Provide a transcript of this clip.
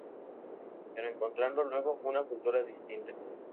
Pero encontrando luego una cultura distinta...